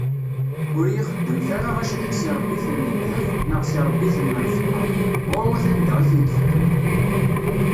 Ur iyi-xeddmet ara acrik s iṛebbiten n ddheb, neɣ s iṛebbiten n lfeṭṭa, ɣur-wat anda i ten-txeddmem.